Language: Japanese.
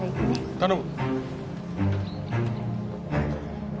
頼む。